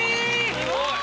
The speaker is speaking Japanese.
すごい。